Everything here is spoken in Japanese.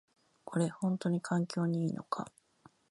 これ、ほんとに環境にいいのか？